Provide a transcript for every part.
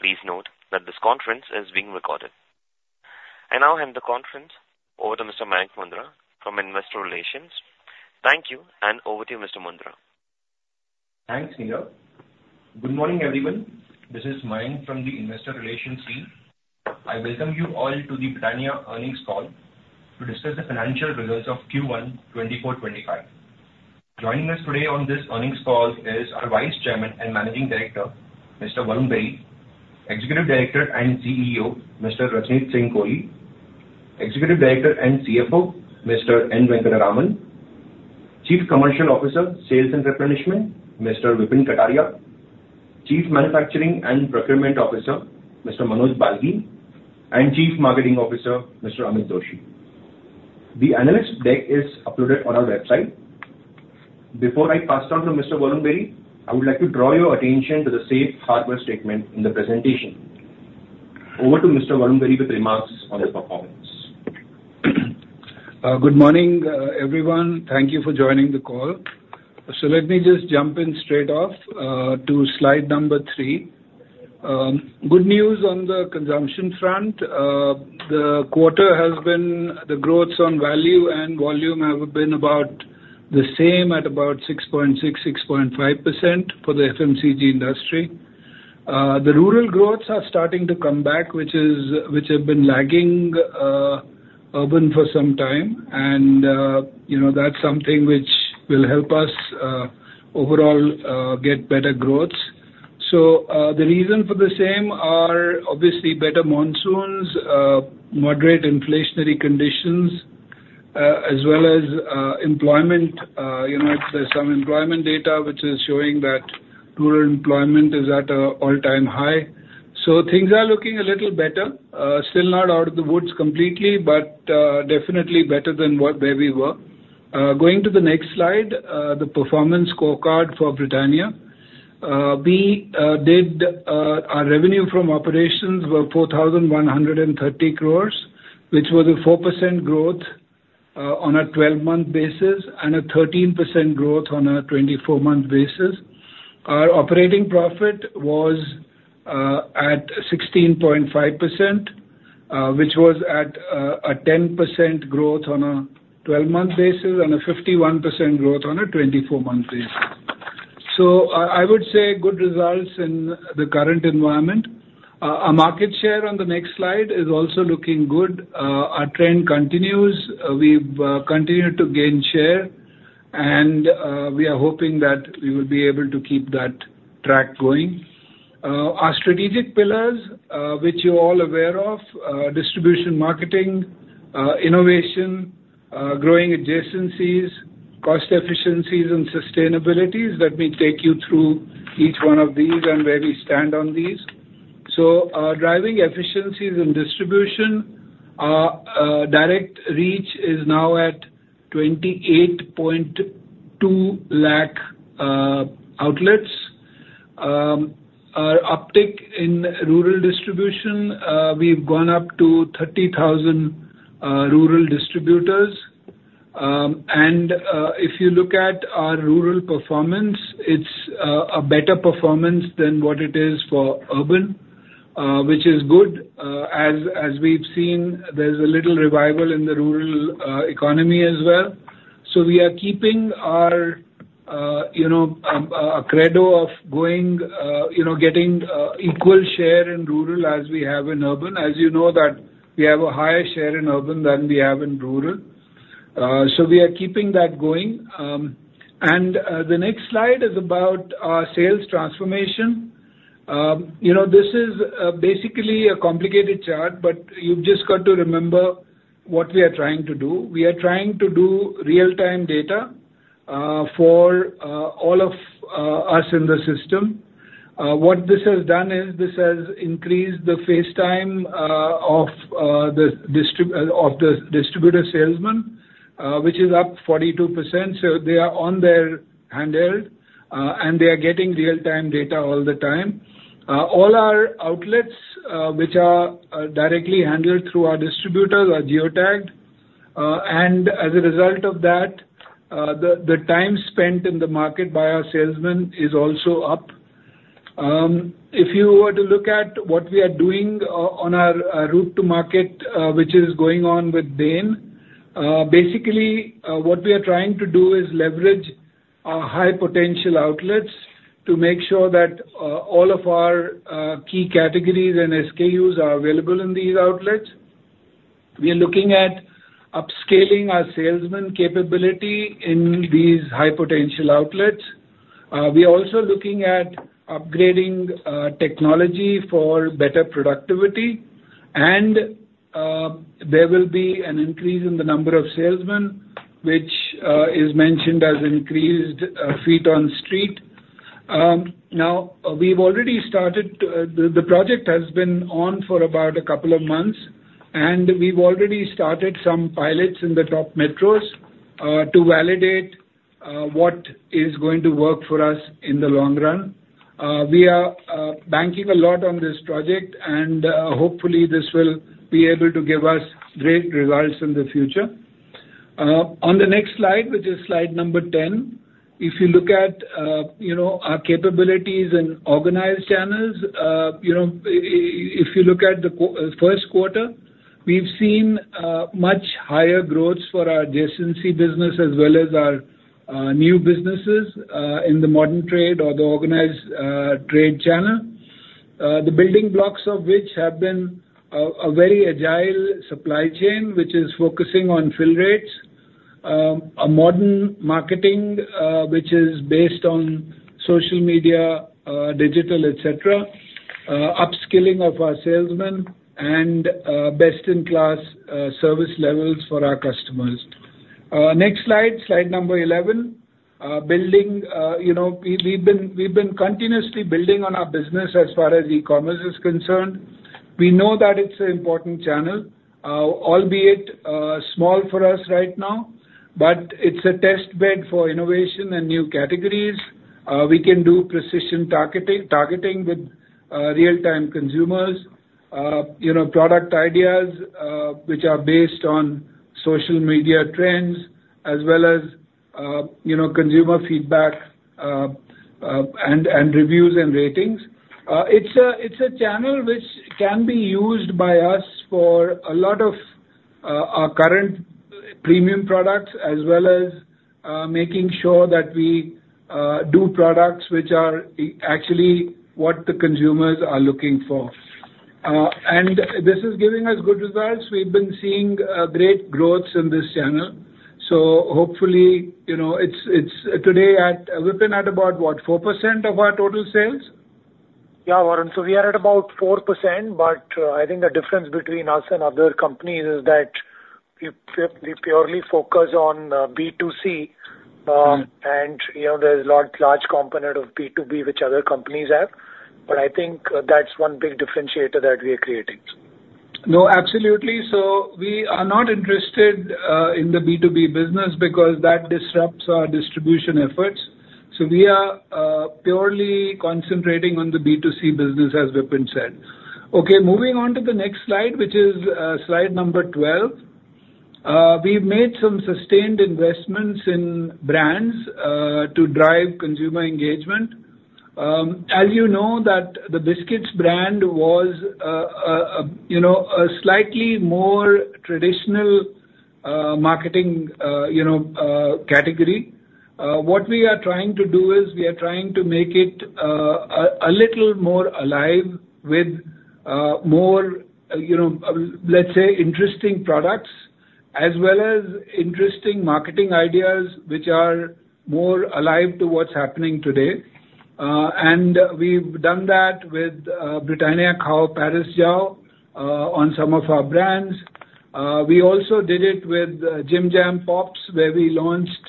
Please note that this conference is being recorded. I now hand the conference over to Mr. Mayank Mundra from Investor Relations. Thank you, and over to you, Mr. Mundra. Thanks, Neerav. Good morning, everyone. This is Mayank from the Investor Relations team. I welcome you all to the Britannia Earnings Call to discuss the financial results of Q1 2024-2025. Joining us today on this earnings call is our Vice Chairman and Managing Director, Mr. Varun Berry; Executive Director and CEO, Mr. Rajneet Singh Kohli; Executive Director and CFO, Mr. N. Venkataraman; Chief Commercial Officer, Sales and Replenishment, Mr. Vipin Kataria; Chief Manufacturing and Procurement Officer, Mr. Manoj Balgi, and Chief Marketing Officer, Mr. Amit Doshi. The analyst deck is uploaded on our website. Before I pass it on to Mr. Varun Berry, I would like to draw your attention to the safe harbor statement in the presentation. Over to Mr. Varun Berry with remarks on his performance. Good morning, everyone. Thank you for joining the call. So let me just jump in straight off to slide number three. Good news on the consumption front. The quarter has been, the growths on value and volume have been about the same, at about 6.6, 6.5% for the FMCG industry. The rural growths are starting to come back, which have been lagging urban for some time. And, you know, that's something which will help us overall get better growth. So, the reason for the same are obviously better monsoons, moderate inflationary conditions, as well as employment. You know, there's some employment data which is showing that rural employment is at an all-time high. So things are looking a little better. Still not out of the woods completely, but definitely better than where we were. Going to the next slide, the performance scorecard for Britannia. We did our revenue from operations were 4,130 crores, which was a 4% growth on a 12-month basis, and a 13% growth on a 24-month basis. Our operating profit was at 16.5%, which was at a 10% growth on a 12-month basis and a 51% growth on a 24-month basis. So I would say good results in the current environment. Our market share on the next slide is also looking good. Our trend continues. We've continued to gain share, and we are hoping that we will be able to keep that track going. Our strategic pillars, which you're all aware of, distribution, marketing, innovation, growing adjacencies, cost efficiencies and sustainabilities. Let me take you through each one of these and where we stand on these. So, driving efficiencies in distribution, our direct reach is now at 28.2 lakh outlets. Our uptick in rural distribution, we've gone up to 30,000 rural distributors. And, if you look at our rural performance, it's a better performance than what it is for urban, which is good. As we've seen, there's a little revival in the rural economy as well. So we are keeping our, you know, credo of going, you know, getting equal share in rural as we have in urban. As you know that we have a higher share in urban than we have in rural. We are keeping that going. The next slide is about our sales transformation. You know, this is basically a complicated chart, but you've just got to remember what we are trying to do. We are trying to do real-time data for all of us in the system. What this has done is this has increased the face time of the distributor salesmen, which is up 42%, so they are on their handheld and they are getting real-time data all the time. All our outlets, which are directly handled through our distributors, are geotagged. As a result of that, the time spent in the market by our salesmen is also up. If you were to look at what we are doing, on our route to market, which is going on with Bain, basically, what we are trying to do is leverage our high potential outlets to make sure that all of our key categories and SKUs are available in these outlets. We are looking at upscaling our salesmen capability in these high potential outlets. We are also looking at upgrading technology for better productivity, and there will be an increase in the number of salesmen, which is mentioned as increased feet on street. Now, we've already started... The project has been on for about a couple of months, and we've already started some pilots in the top metros to validate what is going to work for us in the long run. We are banking a lot on this project, and hopefully, this will be able to give us great results in the future... On the next slide, which is slide number 10, if you look at, you know, our capabilities in organized channels, you know, if you look at the first quarter, we've seen much higher growth for our adjacency business as well as our new businesses in the modern trade or the organized trade channel. The building blocks of which have been a very agile supply chain, which is focusing on fill rates, a modern marketing, which is based on social media, digital, et cetera, upskilling of our salesmen, and best-in-class service levels for our customers. Next slide, slide number 11. Building, you know, we've been continuously building on our business as far as e-commerce is concerned. We know that it's an important channel, albeit small for us right now, but it's a test bed for innovation and new categories. We can do precision targeting with real-time consumers. You know, product ideas which are based on social media trends as well as, you know, consumer feedback, and reviews and ratings. It's a channel which can be used by us for a lot of our current premium products, as well as making sure that we do products which are actually what the consumers are looking for. And this is giving us good results. We've been seeing great growth in this channel. So hopefully, you know, it's today at—Vipin, at about what, 4% of our total sales? Yeah, Warren. So we are at about 4%, but, I think the difference between us and other companies is that we purely focus on B2C. Mm-hmm. You know, there's a lot large component of B2B which other companies have. But I think, that's one big differentiator that we are creating. No, absolutely. So we are not interested in the B2B business because that disrupts our distribution efforts. So we are purely concentrating on the B2C business, as Vipin said. Okay, moving on to the next slide, which is slide number 12. We've made some sustained investments in brands to drive consumer engagement. As you know, that the biscuits brand was you know, a slightly more traditional marketing you know category. What we are trying to do is, we are trying to make it a little more alive with more, you know, let's say, interesting products, as well as interesting marketing ideas, which are more alive to what's happening today. And we've done that with Britannia Khao, Paris Jao on some of our brands. We also did it with Jim Jam Pops, where we launched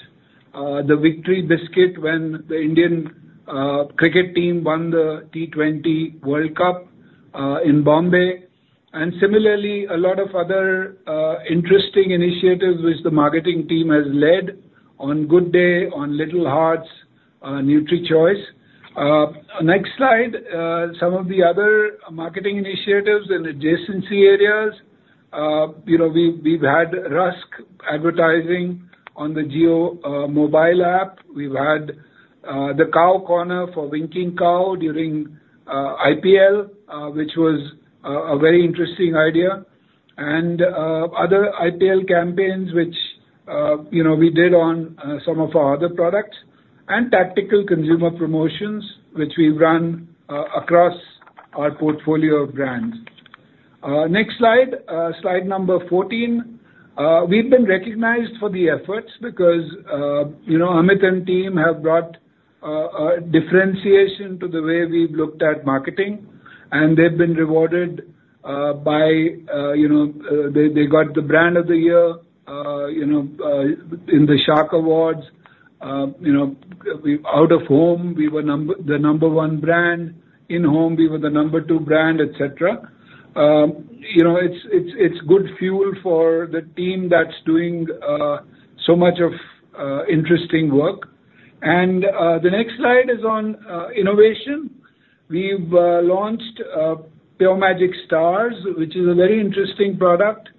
the victory biscuit when the Indian cricket team won the T20 World Cup in Bombay. And similarly, a lot of other interesting initiatives which the marketing team has led on Good Day, on Little Hearts, NutriChoice. Next slide, some of the other marketing initiatives in adjacency areas. You know, we've had rusk advertising on the Jio mobile app. We've had the Cow Corner for Winkin' Cow during IPL, which was a very interesting idea. And other IPL campaigns which, you know, we did on some of our other products, and tactical consumer promotions, which we run across our portfolio of brands. Next slide, slide number 14. We've been recognized for the efforts because, you know, Amit and team have brought a differentiation to the way we've looked at marketing, and they've been rewarded by, you know... They got the brand of the year, you know, in the Shark Awards. You know, out of home, we were number one, the number one brand. In home, we were the number two brand, et cetera. You know, it's good fuel for the team that's doing so much of interesting work. The next slide is on innovation. We've launched Pure Magic Stars, which is a very interesting product.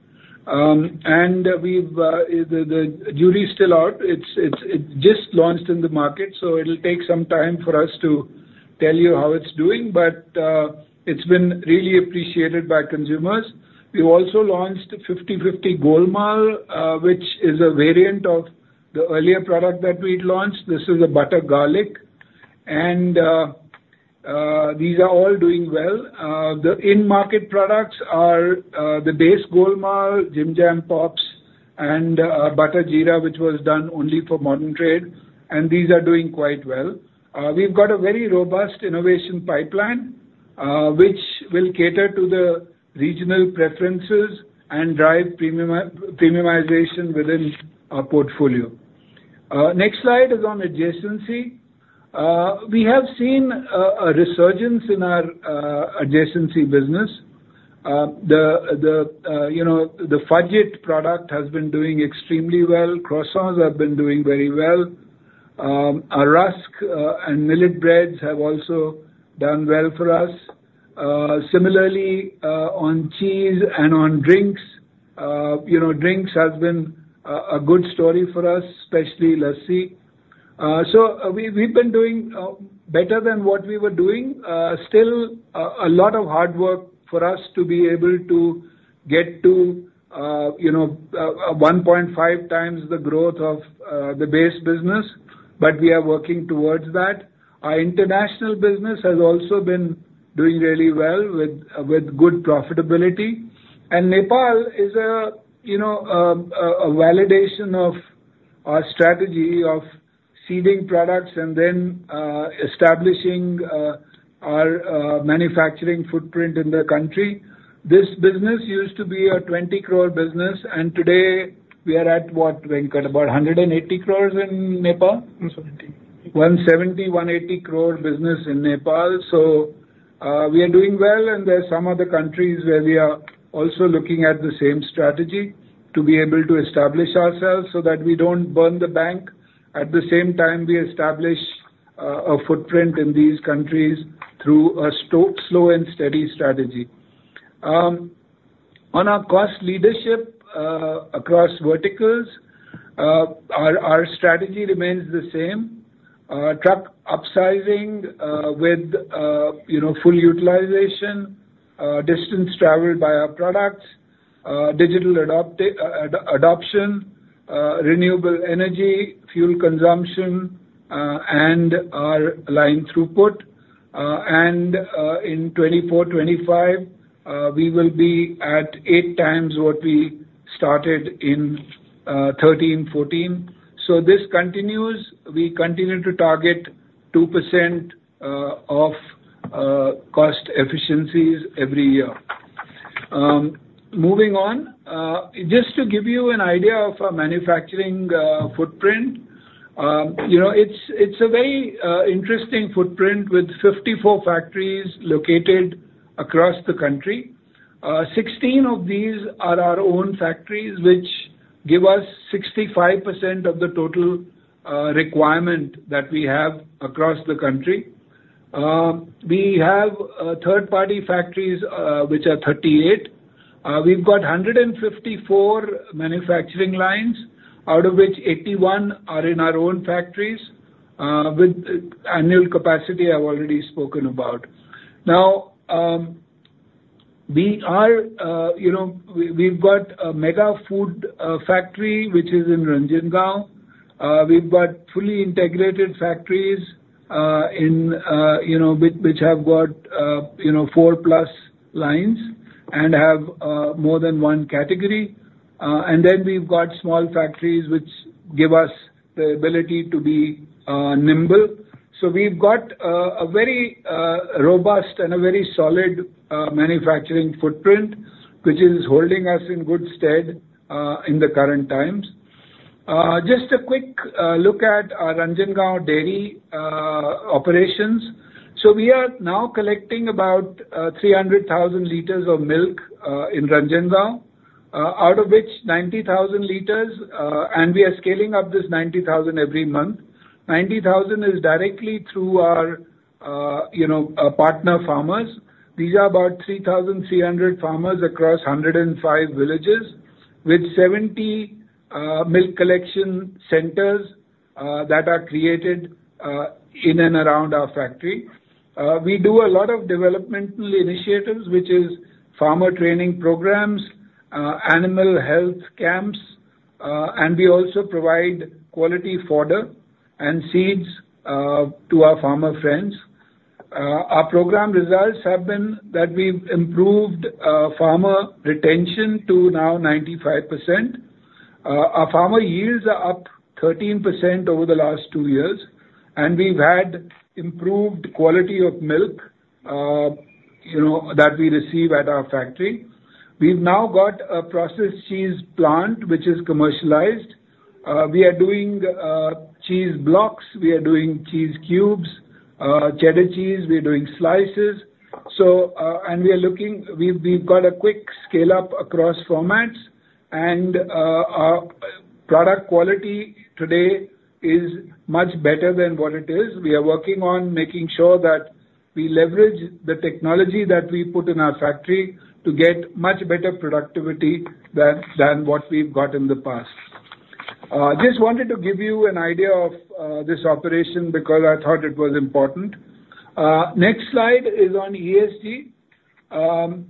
And the jury is still out. It's just launched in the market, so it'll take some time for us to tell you how it's doing, but it's been really appreciated by consumers. We've also launched 50-50 Golmaal, which is a variant of the earlier product that we'd launched. This is a butter garlic. And these are all doing well. The in-market products are the base Golmaal, Jim Jam Pops, and Butter Jeera, which was done only for modern trade, and these are doing quite well. We've got a very robust innovation pipeline, which will cater to the regional preferences and drive premiumization within our portfolio. Next slide is on adjacency. We have seen a resurgence in our adjacency business. You know, the Fudge It product has been doing extremely well. Croissants have been doing very well. Our Rusk and Millet Breads have also done well for us. Similarly, on cheese and on drinks, you know, drinks has been a good story for us, especially lassi. So we, we've been doing better than what we were doing. Still a lot of hard work for us to be able to get to, you know, 1.5x the growth of the base business, but we are working towards that. Our international business has also been doing really well, with good profitability. And Nepal is a, you know, a validation of our strategy of seeding products and then establishing our manufacturing footprint in the country. This business used to be a 20 crore business, and today we are at what, Venkat? About 180 crore in Nepal? 170. 170-180 crore business in Nepal. So, we are doing well, and there are some other countries where we are also looking at the same strategy to be able to establish ourselves so that we don't burn the bank. At the same time, we establish a footprint in these countries through a slow and steady strategy. On our cost leadership across verticals, our strategy remains the same. Our truck upsizing with, you know, full utilization, distance traveled by our products, digital adoption, renewable energy, fuel consumption, and our line throughput. And in 2024-2025, we will be at 8x what we started in 2013-2014. So this continues. We continue to target 2% of cost efficiencies every year. Moving on. Just to give you an idea of our manufacturing footprint, you know, it's a very interesting footprint with 54 factories located across the country. 16 of these are our own factories, which give us 65% of the total requirement that we have across the country. We have third-party factories, which are 38. We've got 154 manufacturing lines, out of which 81 are in our own factories, with annual capacity I've already spoken about. Now, you know, we've got a mega food factory, which is in Ranjangaon. We've got fully integrated factories in which have got you know 4+ lines and have more than one category. And then we've got small factories which give us the ability to be nimble. So we've got a very robust and a very solid manufacturing footprint, which is holding us in good stead in the current times. Just a quick look at our Ranjangaon dairy operations. So we are now collecting about 300,000 L of milk in Ranjangaon. Out of which 90,000 L and we are scaling up this 90,000 every month. 90,000 is directly through our you know partner farmers. These are about 3,300 farmers across 105 villages, with 70 milk collection centers that are created in and around our factory. We do a lot of developmental initiatives, which is farmer training programs, animal health camps, and we also provide quality fodder and seeds to our farmer friends. Our program results have been that we've improved farmer retention to now 95%. Our farmer yields are up 13% over the last two years, and we've had improved quality of milk, you know, that we receive at our factory. We've now got a processed cheese plant, which is commercialized. We are doing cheese blocks, we are doing cheese cubes, cheddar cheese, we are doing slices. So, and we are looking... We've got a quick scale-up across formats, and our product quality today is much better than what it is. We are working on making sure that we leverage the technology that we put in our factory to get much better productivity than what we've got in the past. Just wanted to give you an idea of this operation because I thought it was important. Next slide is on ESG.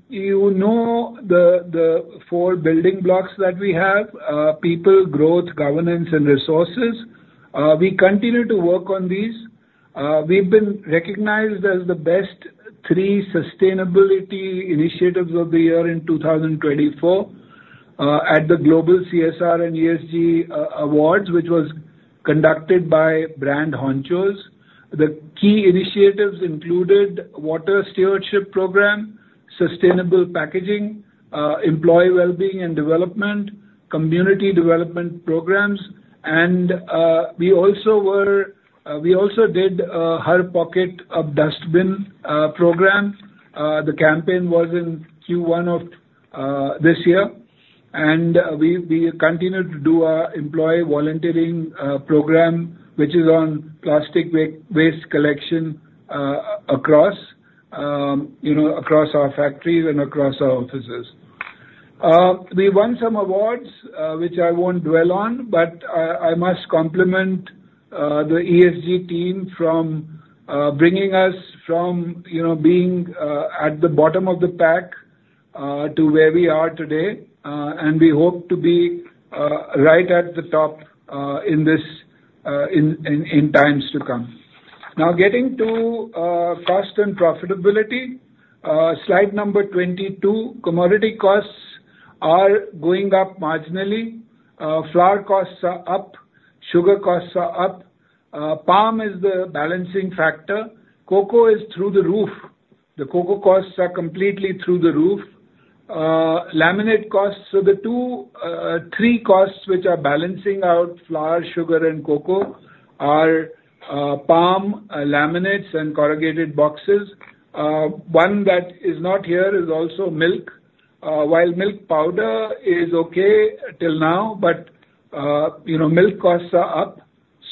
You know the four building blocks that we have, people, growth, governance, and resources. We continue to work on these. We've been recognized as the best three sustainability initiatives of the year in 2024 at the Global CSR and ESG Awards, which was conducted by Brand Honchos. The key initiatives included water stewardship program, sustainable packaging, employee wellbeing and development, community development programs, and we also did a Har Pocket Ab Dustbin program. The campaign was in Q1 of this year. We continue to do our employee volunteering program, which is on plastic waste collection across you know across our factories and across our offices. We won some awards, which I won't dwell on, but I must compliment the ESG team from bringing us from, you know, being at the bottom of the pack to where we are today. And we hope to be right at the top in times to come. Now, getting to cost and profitability, slide number 22. Commodity costs are going up marginally. Flour costs are up, sugar costs are up, palm is the balancing factor. Cocoa is through the roof. The cocoa costs are completely through the roof. Laminate costs, so the two, three costs which are balancing out flour, sugar, and cocoa are palm, laminates, and corrugated boxes. One that is not here is also milk. While milk powder is okay till now, but, you know, milk costs are up.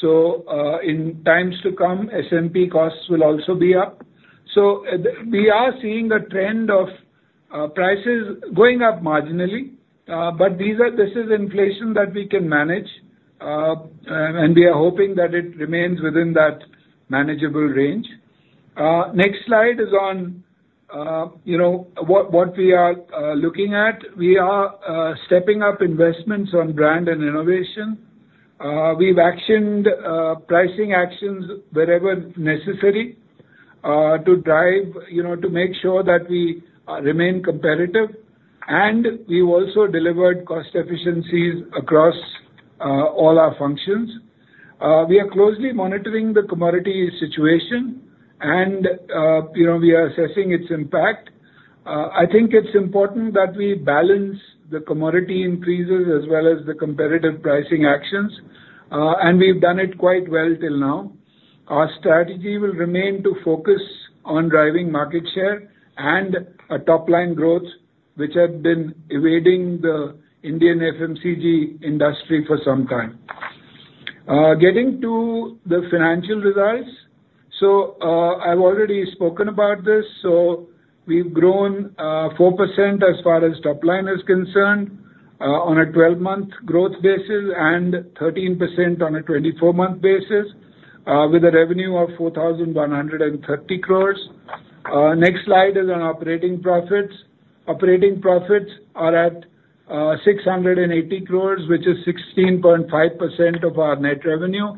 So, in times to come, SMP costs will also be up. So we are seeing a trend of prices going up marginally. But these are, this is inflation that we can manage, and we are hoping that it remains within that manageable range. Next slide is on, you know, what we are looking at. We are stepping up investments on brand and innovation. We've actioned pricing actions wherever necessary to drive, you know, to make sure that we remain competitive. And we've also delivered cost efficiencies across all our functions. We are closely monitoring the commodity situation, and, you know, we are assessing its impact. I think it's important that we balance the commodity increases as well as the competitive pricing actions, and we've done it quite well till now. Our strategy will remain to focus on driving market share and a top-line growth, which had been evading the Indian FMCG industry for some time. Getting to the financial results. So, I've already spoken about this. We've grown 4% as far as top-line is concerned, on a 12-month growth basis, and 13% on a 24-month basis, with a revenue of 4,130 crores. Next slide is on operating profits. Operating profits are at 680 crores, which is 16.5% of our net revenue.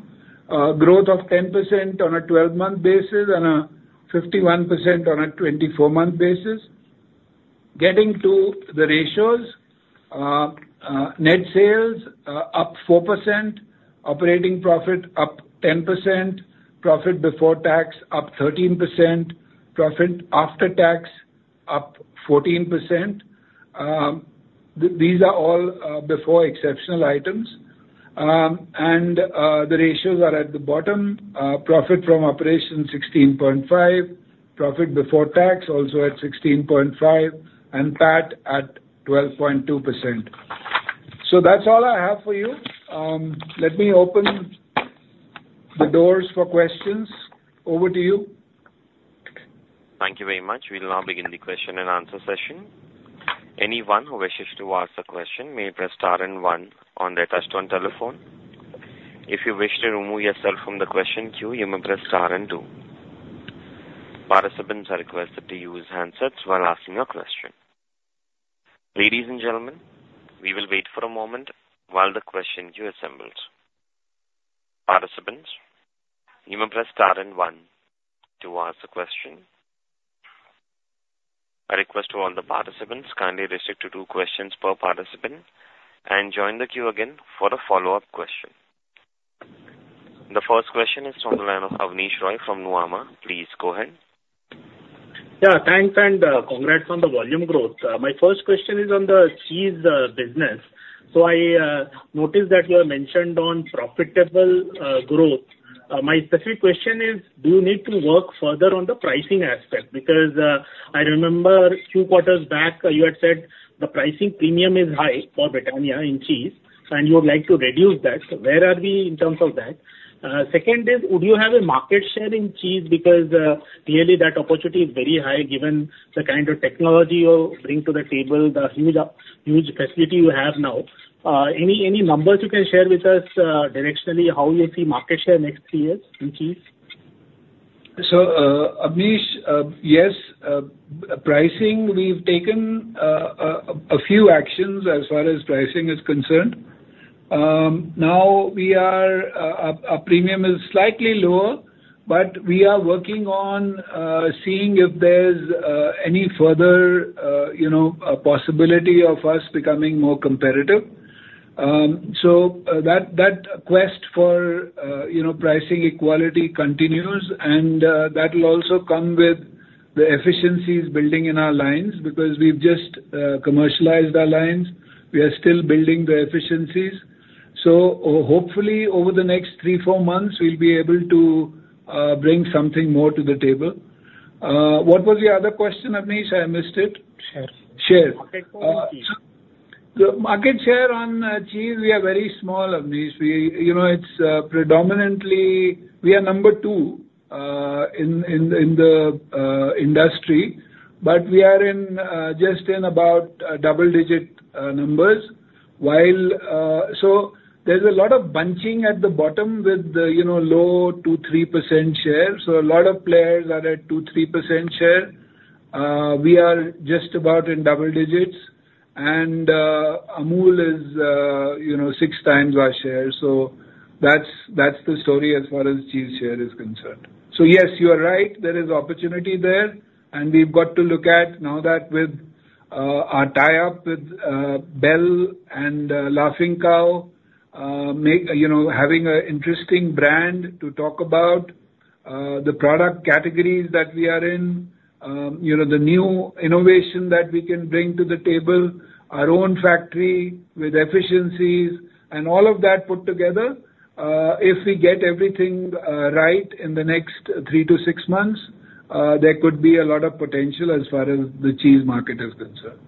Growth of 10% on a 12-month basis, and 51% on a 24-month basis. Getting to the ratios, net sales are up 4%, operating profit up 10%, profit before tax up 13%, profit after tax up 14%. These are all before exceptional items. The ratios are at the bottom. Profit from operations, 16.5%. Profit before tax, also at 16.5%, and PAT at 12.2%. So that's all I have for you. Let me open the doors for questions. Over to you. Thank you very much. We'll now begin the question and answer session. Anyone who wishes to ask a question may press star and one on their touchtone telephone. If you wish to remove yourself from the question queue, you may press star and two. Participants are requested to use handsets while asking your question. Ladies and gentlemen, we will wait for a moment while the question queue assembles. Participants, you may press star and one to ask a question. A request to all the participants, kindly restrict to two questions per participant, and join the queue again for a follow-up question. The first question is from the line of Abneesh Roy from Nuvama. Please go ahead. Yeah, thanks, and, congrats on the volume growth. My first question is on the cheese business. So I noticed that you have mentioned on profitable growth. My specific question is, do you need to work further on the pricing aspect? Because, I remember a few quarters back, you had said the pricing premium is high for Britannia in cheese, and you would like to reduce that. So where are we in terms of that? Second is, would you have a market share in cheese? Because, clearly that opportunity is very high, given the kind of technology you bring to the table, the huge facility you have now. Any numbers you can share with us, directionally, how you see market share next three years in cheese? So, Abneesh, yes, pricing, we've taken a few actions as far as pricing is concerned. Now we are... our premium is slightly lower, but we are working on seeing if there's any further, you know, a possibility of us becoming more competitive. So, that quest for, you know, pricing equality continues, and that will also come with the efficiencies building in our lines, because we've just commercialized our lines. We are still building the efficiencies. So hopefully, over the next three, four months, we'll be able to bring something more to the table. What was your other question, Abneesh? I missed it. Share. Share. Market share. The market share on cheese, we are very small, Abneesh. We, you know, it's predominantly we are number two in the industry. But we are in just in about double digit numbers, while... So there's a lot of bunching at the bottom with the, you know, low 2%-3% share. So a lot of players are at 2%-3% share. We are just about in double digits. And Amul is, you know, 6x our share. So that's the story as far as cheese share is concerned. So yes, you are right, there is opportunity there, and we've got to look at now that with our tie-up with Bel and Laughing Cow, you know, having a interesting brand to talk about, the product categories that we are in, you know, the new innovation that we can bring to the table, our own factory with efficiencies, and all of that put together, if we get everything right in the next three to six months, there could be a lot of potential as far as the cheese market is concerned.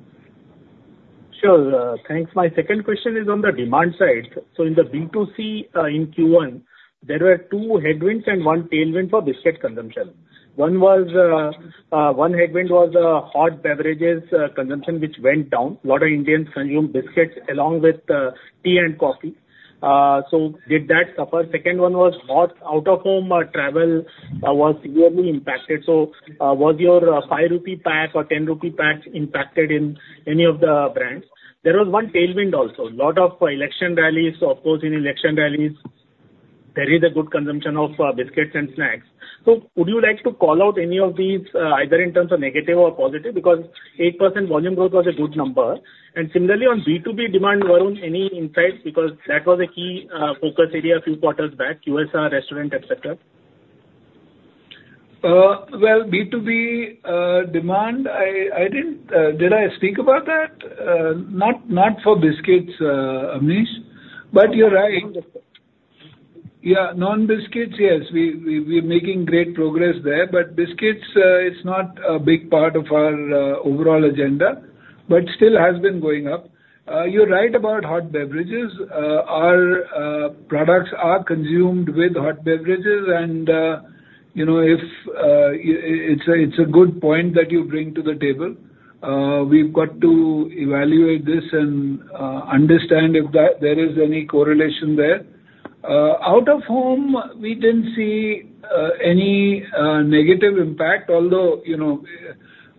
Sure. Thanks. My second question is on the demand side. So in the B2C, in Q1, there were two headwinds and one tailwind for biscuit consumption. One headwind was hot beverages consumption, which went down. A lot of Indians consume biscuits along with tea and coffee. So did that suffer? Second one was hot out-of-home travel was severely impacted. So was your 5 rupee pack or 10 rupee pack impacted in any of the brands? There was one tailwind also, a lot of election rallies. Of course, in election rallies, there is a good consumption of biscuits and snacks. So would you like to call out any of these either in terms of negative or positive? Because 8% volume growth was a good number. Similarly, on B2B demand, Varun, any insights, because that was a key focus area a few quarters back, QSR, restaurant, et cetera? Well, B2B demand, I, I didn't... Did I speak about that? Not, not for biscuits, Abneesh. But you're right. Non-biscuits. Yeah, non-biscuits, yes. We're making great progress there, but biscuits is not a big part of our overall agenda, but still has been going up. You're right about hot beverages. Our products are consumed with hot beverages and, you know, it's a good point that you bring to the table. We've got to evaluate this and understand if there is any correlation there. Out-of-home, we didn't see any negative impact, although, you know,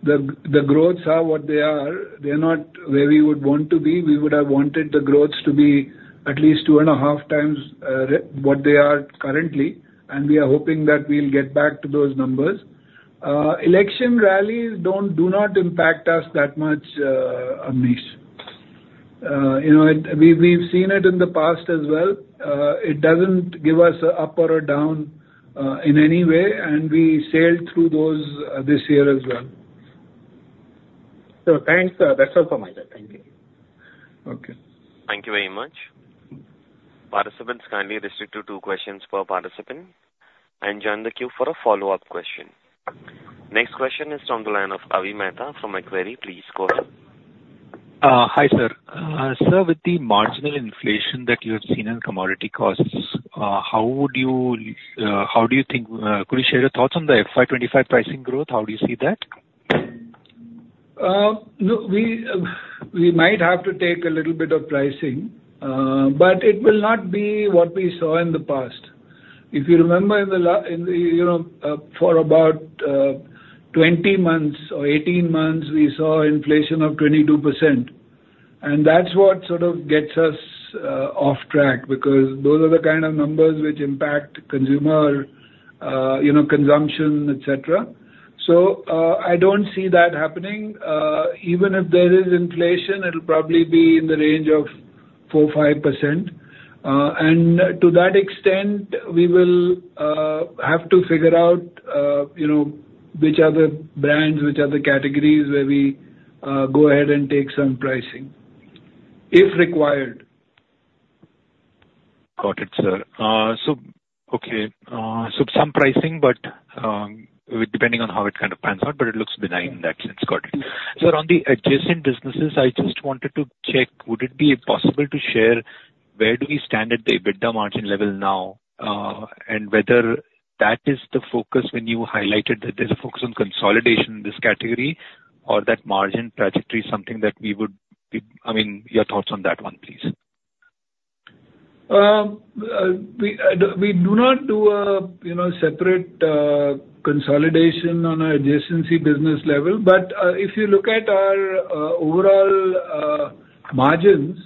the growths are what they are. They're not where we would want to be. We would have wanted the growths to be at least 2.5 times what they are currently, and we are hoping that we'll get back to those numbers. Election rallies don't, do not impact us that much, Abneesh. You know, we've seen it in the past as well. It doesn't give us an up or a down in any way, and we sailed through those this year as well. Thanks, sir. That's all from my side. Thank you. Okay. Thank you very much. Participants kindly restrict to two questions per participant, and join the queue for a follow-up question. Next question is from the line of Avi Mehta from Macquarie. Please go ahead. Hi, sir. Sir, with the marginal inflation that you have seen in commodity costs, how would you, how do you think, could you share your thoughts on the FY 2025 pricing growth? How do you see that? No, we, we might have to take a little bit of pricing, but it will not be what we saw in the past. If you remember in the last, you know, for about 20 months or 18 months, we saw inflation of 22%, and that's what sort of gets us off track, because those are the kind of numbers which impact consumer, you know, consumption, et cetera. So, I don't see that happening. Even if there is inflation, it'll probably be in the range of 4%-5%. And to that extent, we will have to figure out, you know, which are the brands, which are the categories, where we go ahead and take some pricing, if required. Got it, sir. So, okay, so some pricing, but, depending on how it kind of pans out, but it looks benign in that sense. Got it. Sir, on the adjacent businesses, I just wanted to check, would it be possible to share where do we stand at the EBITDA margin level now? And whether that is the focus when you highlighted that there's a focus on consolidation in this category, or that margin trajectory is something that we would be... I mean, your thoughts on that one, please. We do not do a, you know, separate consolidation on our adjacency business level. But if you look at our overall margins,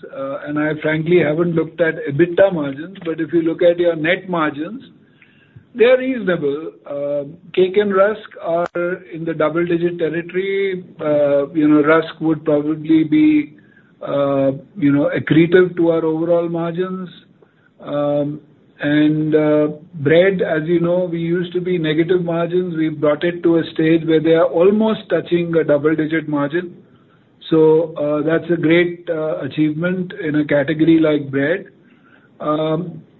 and I frankly haven't looked at EBITDA margins, but if you look at your net margins, they are reasonable. Cake and rusk are in the double-digit territory. You know, rusk would probably be accretive to our overall margins. And bread, as you know, we used to be negative margins. We've brought it to a stage where they are almost touching a double-digit margin. So that's a great achievement in a category like bread.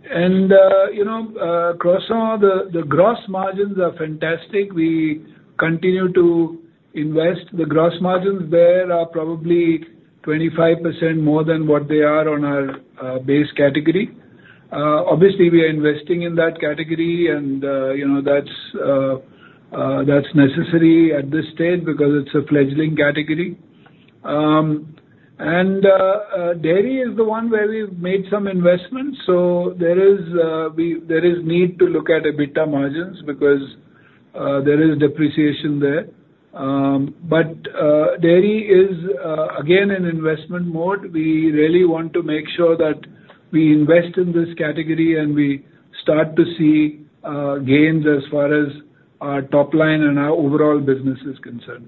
And you know, croissant, the gross margins are fantastic. We continue to invest. The gross margins there are probably 25% more than what they are on our base category. Obviously, we are investing in that category, and, you know, that's necessary at this stage because it's a fledgling category. Dairy is the one where we've made some investments, so there is need to look at EBITDA margins, because there is depreciation there. But dairy is again in investment mode. We really want to make sure that we invest in this category, and we start to see gains as far as our top line and our overall business is concerned.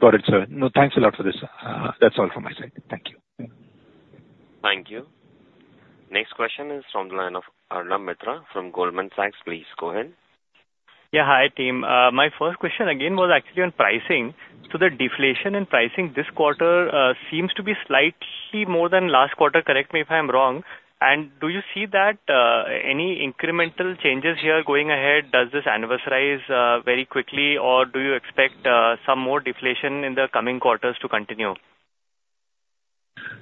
Got it, sir. No, thanks a lot for this. That's all from my side. Thank you. Thank you. Next question is from the line of Arnab Mitra from Goldman Sachs. Please go ahead. Yeah, hi, team. My first question again was actually on pricing. So the deflation in pricing this quarter seems to be slightly more than last quarter, correct me if I'm wrong. And do you see that any incremental changes here going ahead? Does this anniversarize very quickly, or do you expect some more deflation in the coming quarters to continue?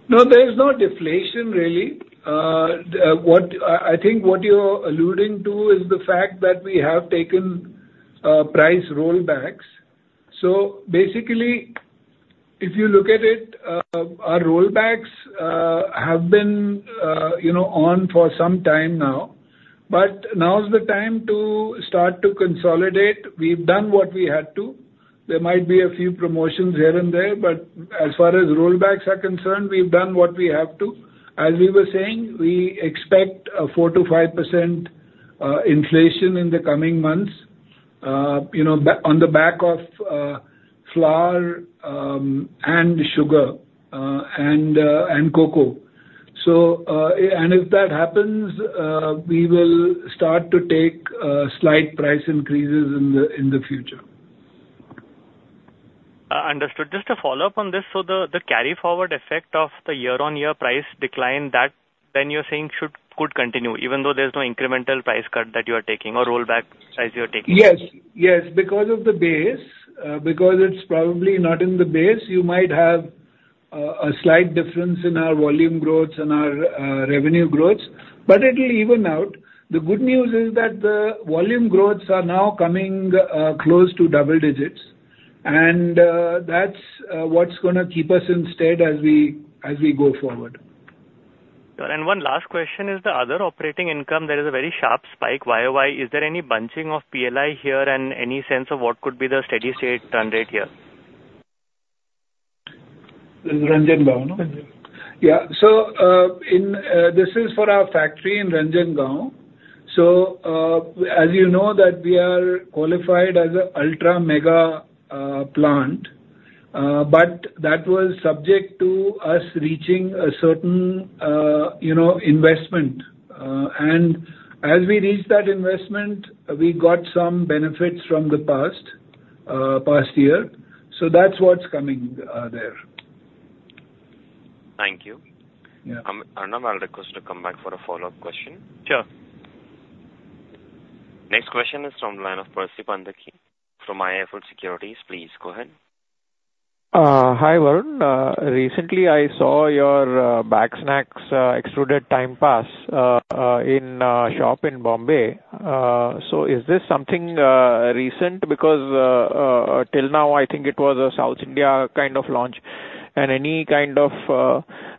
No, there is no deflation, really. What... I think what you're alluding to is the fact that we have taken price rollbacks. So basically, if you look at it, our rollbacks have been, you know, on for some time now. But now is the time to start to consolidate. We've done what we had to. There might be a few promotions here and there, but as far as rollbacks are concerned, we've done what we have to. As we were saying, we expect a 4%-5% inflation in the coming months, you know, on the back of flour and sugar and cocoa. So, and if that happens, we will start to take slight price increases in the future. Understood. Just to follow up on this, so the carry forward effect of the year-on-year price decline, that then you're saying should, could continue, even though there's no incremental price cut that you are taking or rollback price you are taking? Yes, yes. Because of the base, because it's probably not in the base, you might have a slight difference in our volume growths and our revenue growths, but it'll even out. The good news is that the volume growths are now coming close to double digits, and that's what's gonna keep us in stead as we, as we go forward. One last question is the other operating income. There is a very sharp spike, YoY. Is there any bunching of PLI here, and any sense of what could be the steady state run rate here? In Ranjangaon, no? Ranjangaon. Yeah. So, this is for our factory in Ranjangaon. So, as you know, that we are qualified as a ultra mega plant, but that was subject to us reaching a certain, you know, investment. And as we reached that investment, we got some benefits from the past year. So that's what's coming there. Thank you. Yeah. Arna, I'll request you to come back for a follow-up question. Sure. Next question is from the line of Percy Panthaki from IIFL Securities. Please go ahead. Hi, Varun. Recently, I saw your baked snacks, extruded Time Pass, in a shop in Bombay. So is this something recent? Because, till now, I think it was a South India kind of launch. And any kind of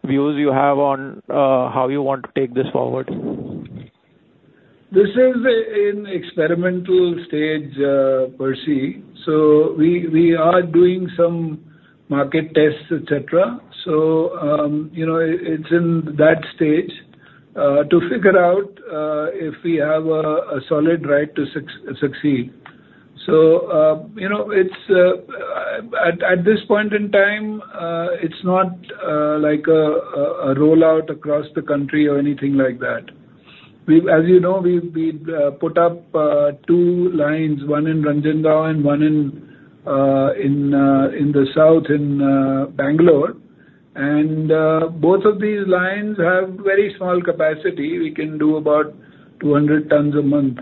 views you have on how you want to take this forward? This is in experimental stage, Percy, so we are doing some market tests, et cetera. So, you know, it's in that stage to figure out if we have a solid right to succeed. So, you know, it's at this point in time, it's not like a rollout across the country or anything like that. As you know, we've put up two lines, one in Ranjangaon and one in the south in Bangalore. And both of these lines have very small capacity. We can do about 200 tons a month.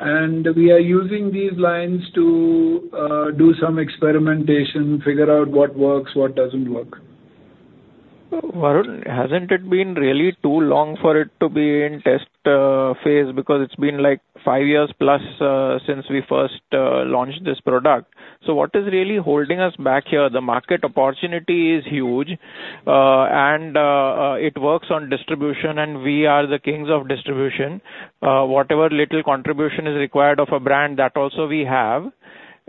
And we are using these lines to do some experimentation, figure out what works, what doesn't work. Varun, hasn't it been really too long for it to be in test phase? Because it's been, like, 5+ years since we first launched this product. So what is really holding us back here? The market opportunity is huge, and it works on distribution, and we are the kings of distribution. Whatever little contribution is required of a brand, that also we have.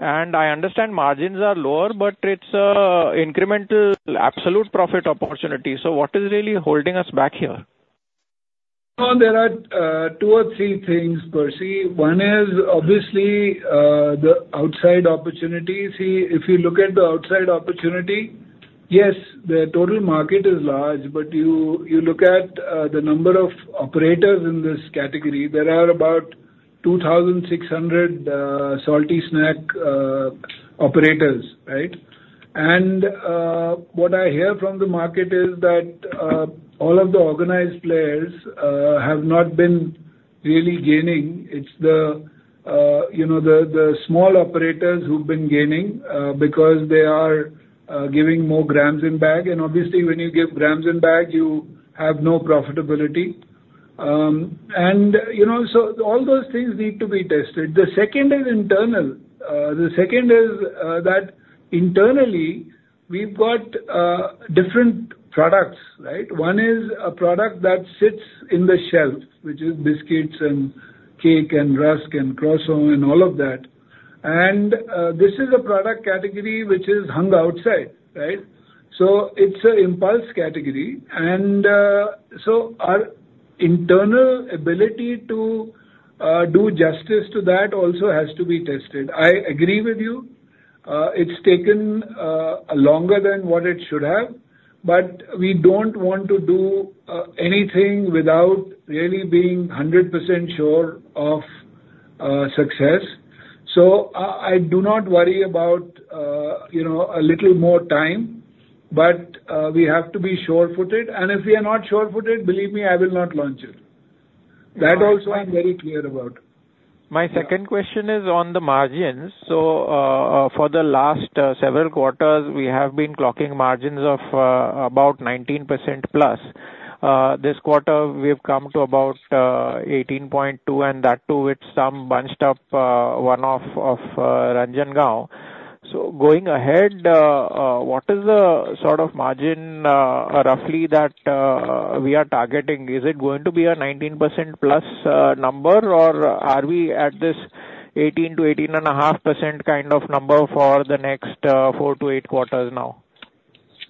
And I understand margins are lower, but it's a incremental absolute profit opportunity. So what is really holding us back here? Well, there are two or three things, Percy. One is obviously the outside opportunity. See, if you look at the outside opportunity, yes, the total market is large, but you look at the number of operators in this category, there are about 2,600 salty snack operators, right? And what I hear from the market is that all of the organized players have not been really gaining. It's the, you know, the small operators who've been gaining because they are giving more grams in bag. And obviously, when you give grams in bag, you have no profitability. And you know, so all those things need to be tested. The second is internal. The second is that internally, we've got different products, right? One is a product that sits in the shelf, which is biscuits and cake and rusk and croissant and all of that. And this is a product category which is hung outside, right? So it's an impulse category, and so our internal ability to do justice to that also has to be tested. I agree with you. It's taken longer than what it should have, but we don't want to do anything without really being 100% sure of success. So I do not worry about you know, a little more time, but we have to be sure-footed. And if we are not sure-footed, believe me, I will not launch it. That also I'm very clear about. My second question is on the margins. So, for the last several quarters, we have been clocking margins of about 19%+. This quarter, we've come to about 18.2%, and that, too, with some bunched up one-off of Ranjangaon. So going ahead, what is the sort of margin roughly that we are targeting? Is it going to be a 19%+ number, or are we at this 18%-18.5% kind of number for the next four quarters-eight quarters now?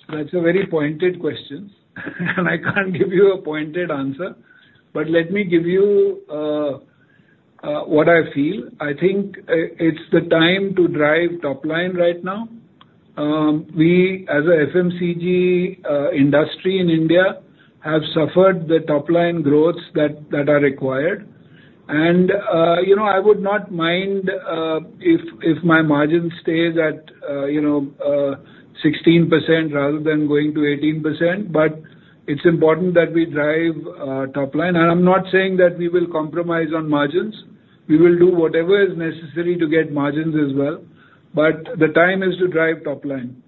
That's a very pointed question, and I can't give you a pointed answer. But let me give you what I feel. I think it's the time to drive top line right now. We, as a FMCG industry in India, have suffered the top line growths that are required. You know, I would not mind if my margins stay at 16% rather than going to 18%, but it's important that we drive top line. And I'm not saying that we will compromise on margins. We will do whatever is necessary to get margins as well, but the time is to drive top line.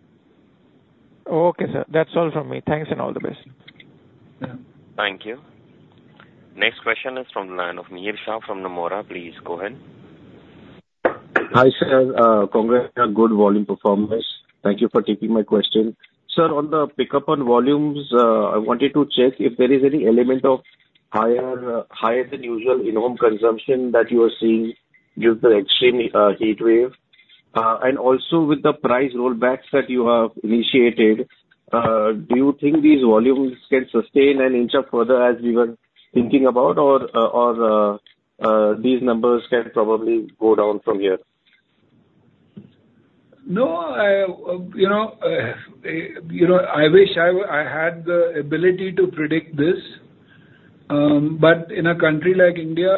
Okay, sir. That's all from me. Thanks, and all the best. Yeah. Thank you. Next question is from the line of Mihir Shah from Nomura. Please go ahead. Hi, sir. Congrats on your good volume performance. Thank you for taking my question. Sir, on the pickup on volumes, I wanted to check if there is any element of higher than usual in-home consumption that you are seeing due to the extreme heat wave. And also with the price rollbacks that you have initiated, do you think these volumes can sustain and inch up further as we were thinking about, or these numbers can probably go down from here? No, you know, you know, I wish I had the ability to predict this, but in a country like India,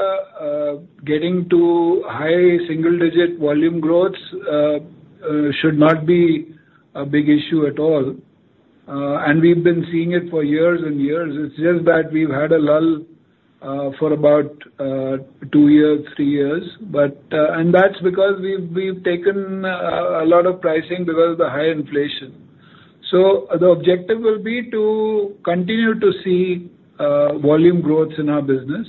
getting to high single digit volume growths should not be a big issue at all. And we've been seeing it for years and years. It's just that we've had a lull for about two years, three years. But... And that's because we've taken a lot of pricing because of the high inflation. So the objective will be to continue to see volume growths in our business.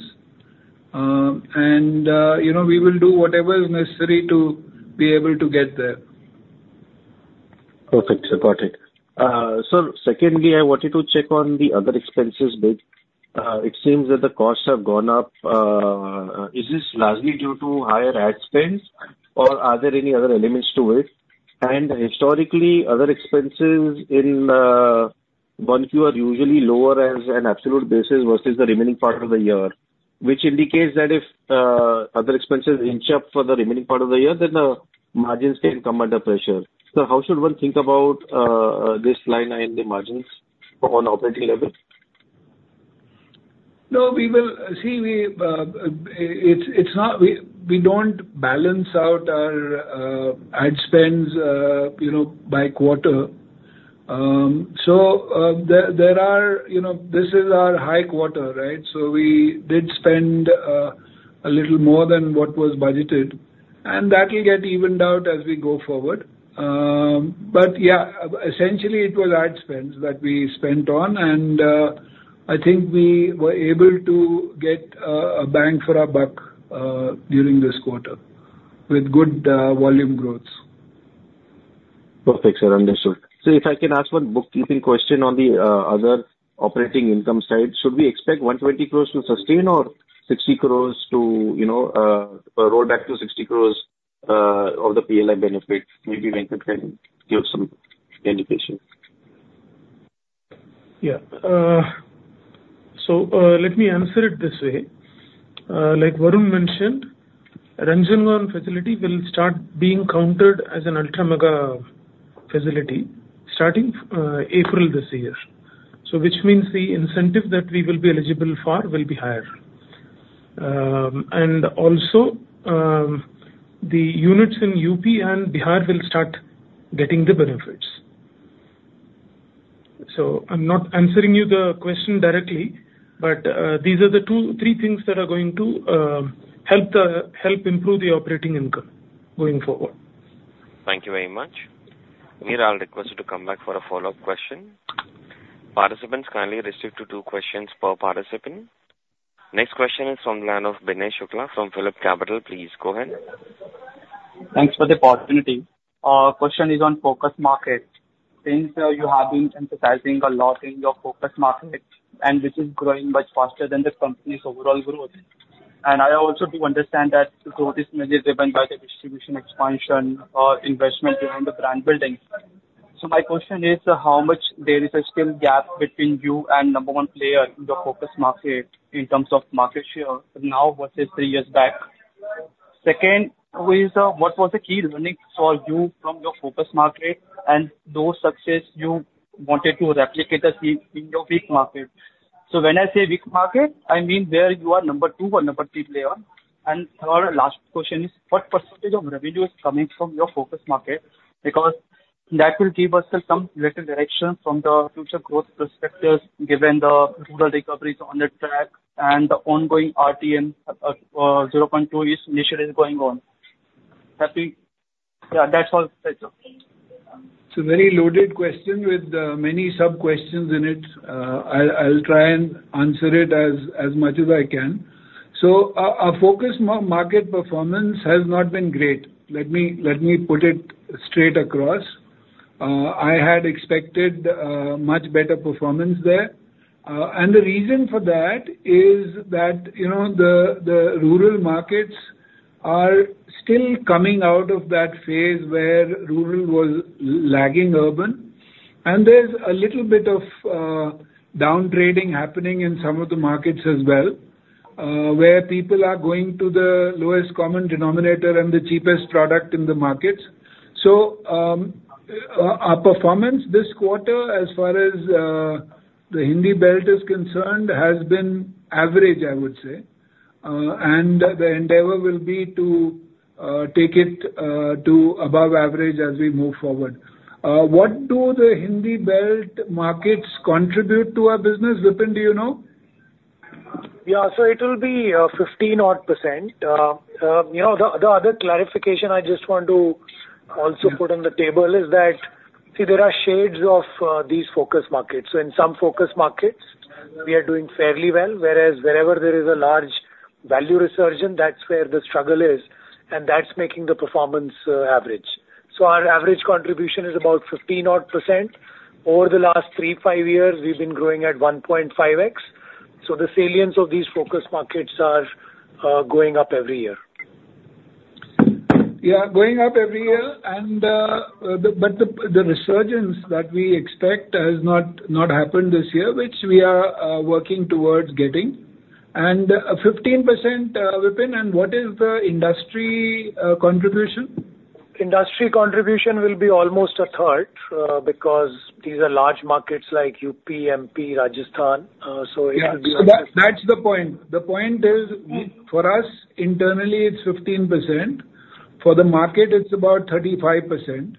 And, you know, we will do whatever is necessary to be able to get there. Perfect, sir. Got it. Sir, secondly, I wanted to check on the other expenses bit. It seems that the costs have gone up. Is this largely due to higher ad spends, or are there any other elements to it? And historically, other expenses in 1Q are usually lower as an absolute basis versus the remaining part of the year, which indicates that if other expenses inch up for the remaining part of the year, then the margins can come under pressure. So how should one think about this line item, the margins on operating level? No, we will. See, it's not. We don't balance out our ad spends, you know, by quarter. So, there are, you know, this is our high quarter, right? So we did spend a little more than what was budgeted, and that will get evened out as we go forward. But yeah, essentially, it was ad spends that we spent on, and I think we were able to get a bang for our buck during this quarter, with good volume growths. Perfect, sir. Understood. So if I can ask one bookkeeping question on the, other operating income side. Should we expect 120 crores to sustain or 60 crores to, you know, roll back to 60 crores, of the PLI benefit? Maybe Venkat can give some indication. Yeah, uh... ...So, let me answer it this way. Like Varun mentioned, Ranjangaon facility will start being counted as an ultra mega facility starting April this year. So which means the incentive that we will be eligible for will be higher. And also, the units in UP and Bihar will start getting the benefits. So I'm not answering you the question directly, but these are the two-three things that are going to help improve the operating income going forward. Thank you very much. Mihir, I'll request you to come back for a follow-up question. Participants, kindly restrict to two questions per participant. Next question is from the line of Binay Shukla from PhillipCapital. Please go ahead. Thanks for the opportunity. Question is on focus market. Since you have been emphasizing a lot in your focus market, and this is growing much faster than the company's overall growth. And I also do understand that the growth is mainly driven by the distribution expansion or investment in the brand building. So my question is, how much there is a skill gap between you and number one player in the focus market in terms of market share now versus three years back? Second is, what was the key learning for you from your focus market, and those success you wanted to replicate the same in your weak market? So when I say weak market, I mean where you are number two or number three player. And our last question is, what percentage of revenue is coming from your focus market? Because that will give us some little direction from the future growth perspectives, given the rural recovery is on the track and the ongoing RTM, 0.2 initiative is going on. Happy? Yeah, that's all, thanks, sir. It's a very loaded question with many sub-questions in it. I'll try and answer it as much as I can. So our focus market performance has not been great. Let me put it straight across. I had expected much better performance there. And the reason for that is that, you know, the rural markets are still coming out of that phase where rural was lagging urban. And there's a little bit of downtrading happening in some of the markets as well, where people are going to the lowest common denominator and the cheapest product in the markets. So our performance this quarter, as far as the Hindi Belt is concerned, has been average, I would say. And the endeavor will be to take it to above average as we move forward. What do the Hindi Belt markets contribute to our business, Vipin, do you know? Yeah. So it will be 15% odd. You know, the other clarification I just want to also put on the table is that, see, there are shades of these focus markets. So in some focus markets, we are doing fairly well, whereas wherever there is a large value resurgent, that's where the struggle is, and that's making the performance average. So our average contribution is about 15% odd. Over the last 3, 5 years, we've been growing at 1.5x, so the salience of these focus markets are going up every year. Yeah, going up every year, and but the resurgence that we expect has not happened this year, which we are working towards getting. And, 15%, Vipin, and what is the industry contribution? Industry contribution will be almost 1/3, because these are large markets like UP, MP, Rajasthan, so it will be- Yeah, so that, that's the point. The point is, for us, internally, it's 15%. For the market, it's about 35%,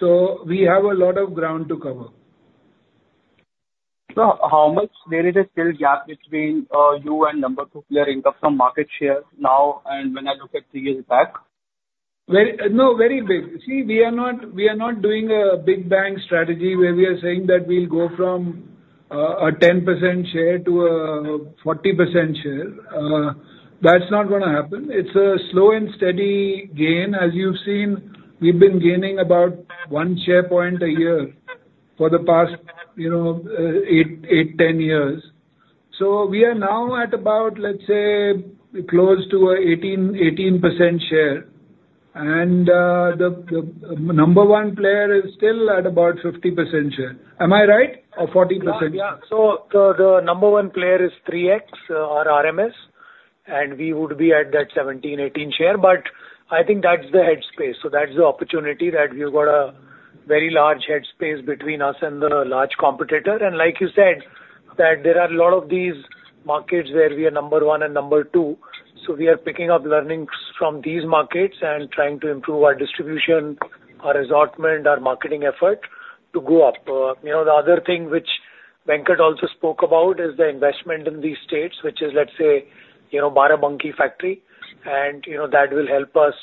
so we have a lot of ground to cover. How much there is a still gap between you and number two player in terms of market share now and when I look at three years back? Very big. See, we are not doing a big bang strategy where we are saying that we'll go from a 10% share to a 40% share. That's not gonna happen. It's a slow and steady gain. As you've seen, we've been gaining about one share point a year for the past, you know, eight, 10 years. So we are now at about, let's say, close to a 18% share. And the number one player is still at about 50% share. Am I right? Or 40%. Yeah. So the number one player is 3x, or RMS, and we would be at that 17%, 18% share, but I think that's the head space. So that's the opportunity, that we've got a very large head space between us and the large competitor. And like you said, that there are a lot of these markets where we are number one and number two, so we are picking up learnings from these markets and trying to improve our distribution, our assortment, our marketing effort to go up. You know, the other thing which Venkat also spoke about is the investment in these states, which is, let's say, you know, Barabanki factory, and, you know, that will help us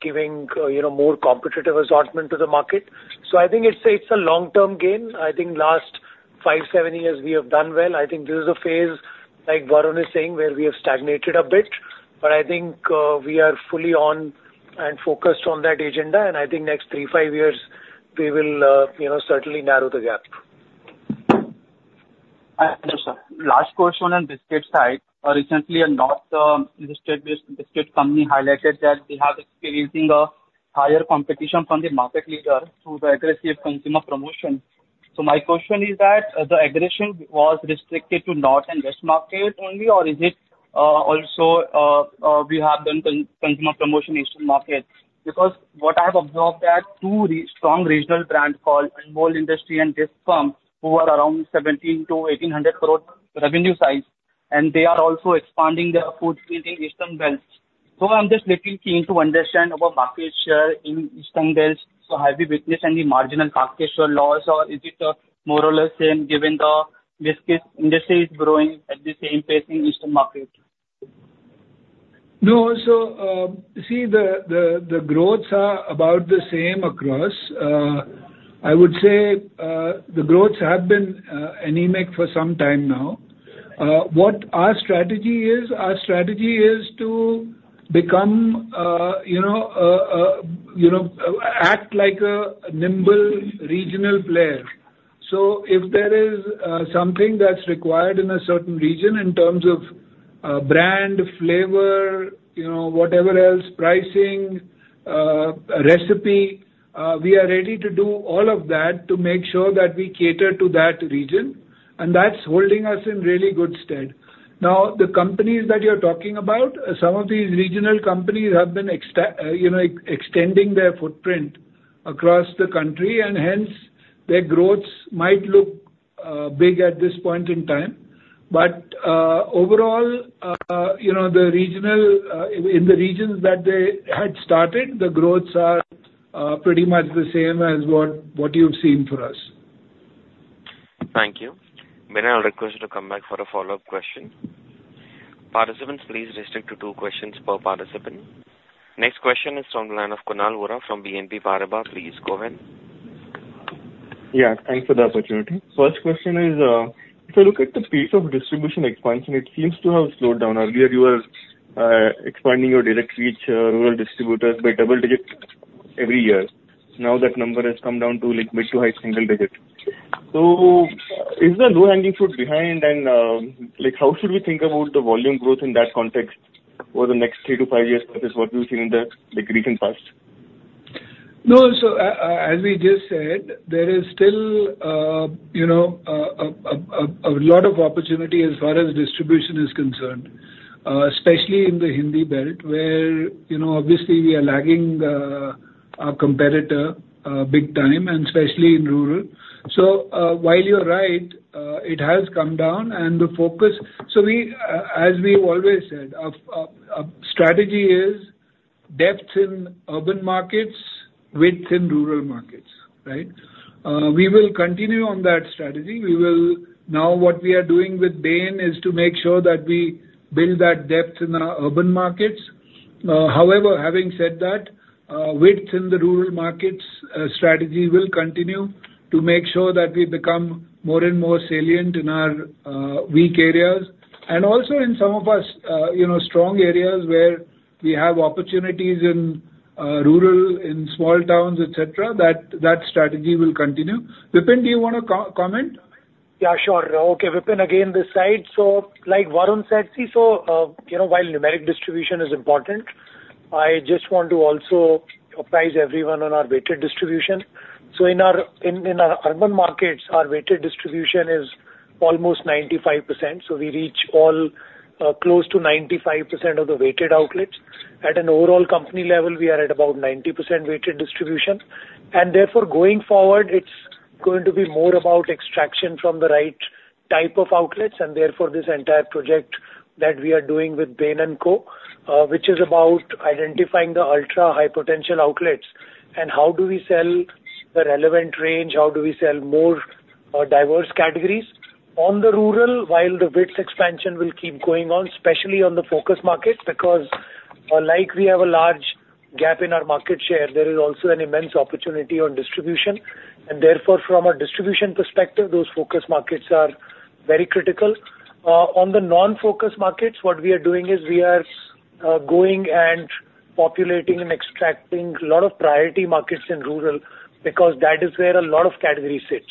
giving, you know, more competitive assortment to the market. So I think it's a, it's a long-term gain. I think last five years, seven years, we have done well. I think this is a phase, like Varun is saying, where we have stagnated a bit, but I think we are fully on and focused on that agenda, and I think next three, five years, we will you know, certainly narrow the gap. Hello, sir. Last question on biscuit side. Recently, a north biscuit company highlighted that they have experiencing higher competition from the market leader through the aggressive consumer promotion. So my question is that, the aggression was restricted to north and west market only, or is it also we have done consumer promotion eastern market? Because what I have observed that two strong regional brands called Anmol Industries and Bisk Farm, who are around 1,700-1,800 crore revenue size, and they are also expanding their footprint in eastern belts. So I'm just little keen to understand about market share in eastern belts. So have you witnessed any marginal market share loss, or is it more or less same, given the biscuits industry is growing at the same pace in eastern market? No. So, see, the growths are about the same across. I would say, the growths have been anemic for some time now. What our strategy is, our strategy is to become, you know, act like a nimble regional player. So if there is something that's required in a certain region in terms of, brand, flavor, you know, whatever else, pricing, recipe, we are ready to do all of that to make sure that we cater to that region, and that's holding us in really good stead. Now, the companies that you're talking about, some of these regional companies have been, you know, extending their footprint across the country, and hence, their growths might look big at this point in time. But overall, you know, the regional, in the regions that they had started, the growths are pretty much the same as what you've seen for us. Thank you. May I request you to come back for a follow-up question? Participants, please restrict to two questions per participant. Next question is from the line of Kunal Vora from BNP Paribas. Please go ahead. Yeah, thanks for the opportunity. First question is, if you look at the pace of distribution expansion, it seems to have slowed down. Earlier, you were expanding your direct reach, rural distributors by double digit every year. Now that number has come down to, like, mid to high single digit. So is the low-hanging fruit behind and, like, how should we think about the volume growth in that context over the next 3 years-5 years versus what we've seen in the recent past? No, so, as we just said, there is still, you know, a lot of opportunity as far as distribution is concerned, especially in the Hindi belt, where, you know, obviously we are lagging our competitor big time, and especially in rural. So, while you're right, it has come down and the focus. So we, as we've always said, our strategy is depth in urban markets, width in rural markets, right? We will continue on that strategy. We will. Now, what we are doing with Bain is to make sure that we build that depth in our urban markets. However, having said that, width in the rural markets strategy will continue to make sure that we become more and more salient in our weak areas. Also in some of our, you know, strong areas where we have opportunities in rural, in small towns, et cetera, that strategy will continue. Vipin, do you want to comment? Yeah, sure. Okay, Vipin again, this side. So like Varun said, see, so, you know, while numeric distribution is important, I just want to also apprise everyone on our weighted distribution. So in our urban markets, our weighted distribution is almost 95%, so we reach all, close to 95% of the weighted outlets. At an overall company level, we are at about 90% weighted distribution. And therefore, going forward, it's going to be more about extraction from the right type of outlets, and therefore, this entire project that we are doing with Bain & Co, which is about identifying the ultra-high potential outlets, and how do we sell the relevant range, how do we sell more, diverse categories. On the rural, while the width expansion will keep going on, especially on the focus markets, because, like we have a large gap in our market share, there is also an immense opportunity on distribution. And therefore, from a distribution perspective, those focus markets are very critical. On the non-focus markets, what we are doing is, we are going and populating and extracting a lot of priority markets in rural, because that is where a lot of category sits.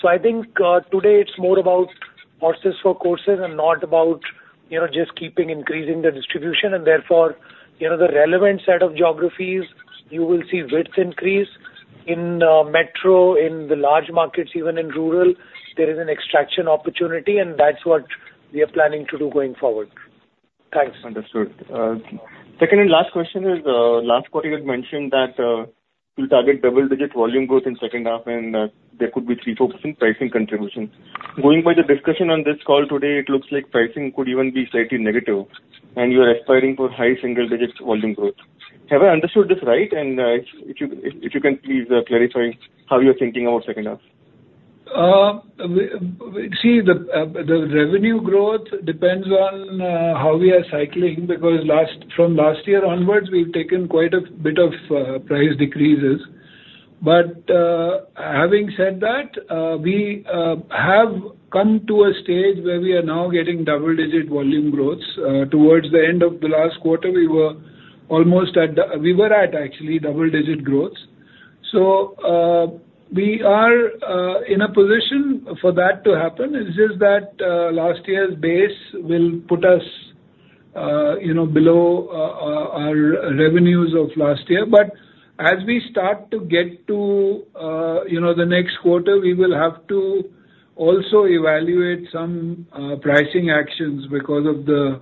So I think, today it's more about horses for courses and not about, you know, just keeping increasing the distribution. And therefore, you know, the relevant set of geographies, you will see width increase. In metro, in the large markets, even in rural, there is an extraction opportunity, and that's what we are planning to do going forward. Thanks. Understood. Second and last question is, last quarter you had mentioned that, you'll target double-digit volume growth in second half, and, there could be 3%-4% pricing contribution. Going by the discussion on this call today, it looks like pricing could even be slightly negative, and you are aspiring for high single digits volume growth. Have I understood this right? And, if you can please, clarify how you're thinking about second half. The revenue growth depends on how we are cycling, because from last year onwards, we've taken quite a bit of price decreases. But having said that, we have come to a stage where we are now getting double-digit volume growths. Towards the end of the last quarter, we were almost at the. We were at, actually, double-digit growth. So, we are in a position for that to happen. It's just that last year's base will put us, you know, below our revenues of last year. But as we start to get to, you know, the next quarter, we will have to also evaluate some pricing actions because of the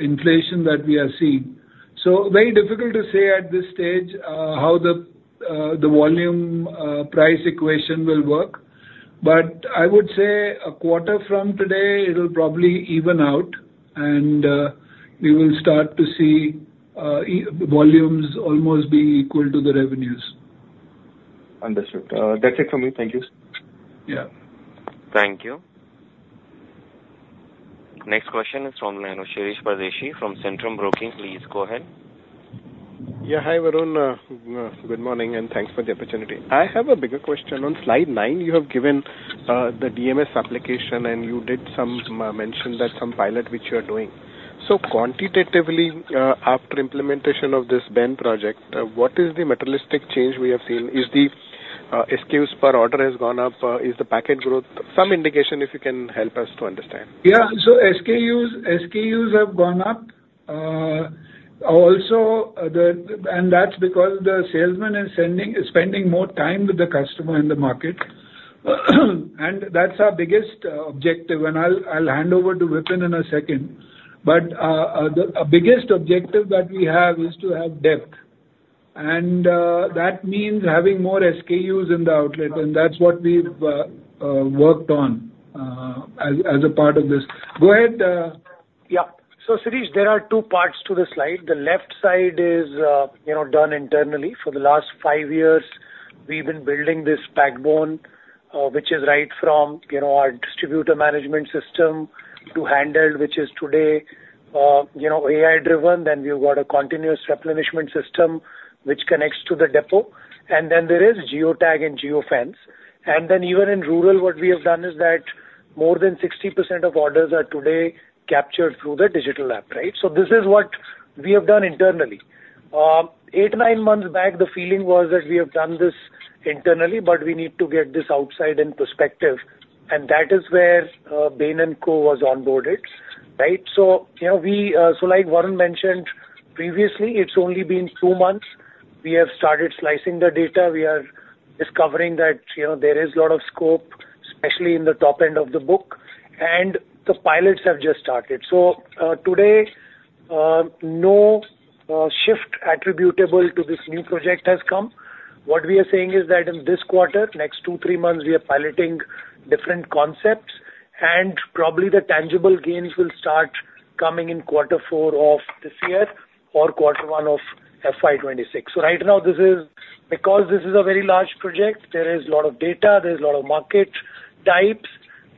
inflation that we are seeing. Very difficult to say at this stage how the volume price equation will work. But I would say a quarter from today, it'll probably even out, and we will start to see volumes almost be equal to the revenues. Understood. That's it for me. Thank you. Yeah. Thank you. Next question is from Shirish Pardeshi from Centrum Broking. Please go ahead. Yeah. Hi, Varun. Good morning, and thanks for the opportunity. I have a bigger question. On slide nine, you have given the DMS application, and you did some mention that some pilot, which you are doing. So quantitatively, after implementation of this Bain project, what is the materialistic change we have seen? Is the SKUs per order has gone up? Is the packet growth some indication, if you can help us to understand. Yeah. So SKUs, SKUs have gone up. Also, that's because the salesman is spending more time with the customer in the market. And that's our biggest objective. And I'll hand over to Vipin in a second. But the biggest objective that we have is to have depth, and that means having more SKUs in the outlet, and that's what we've worked on as a part of this. Go ahead. Yeah. So, Shirish, there are two parts to the slide. The left side is, you know, done internally. For the last five years, we've been building this backbone, which is right from, you know, our distributor management system to handle, which is today, you know, AI-driven. Then we've got a continuous replenishment system, which connects to the depot. And then there is geo-tag and geo-fence. And then, even in rural, what we have done is that more than 60% of orders are today captured through the digital app, right? So this is what we have done internally. Eight, nine months back, the feeling was that we have done this internally, but we need to get this outside in perspective, and that is where Bain & Co was onboarded, right? So, you know, we... So, like Varun mentioned previously, it's only been two months. We have started slicing the data. We are discovering that, you know, there is a lot of scope, especially in the top end of the book, and the pilots have just started. So, today, no shift attributable to this new project has come. What we are saying is that in this quarter, next two, three months, we are piloting different concepts, and probably the tangible gains will start coming in quarter four of this year or quarter one of FY 2026. So right now, this is because this is a very large project, there is a lot of data, there is a lot of market types.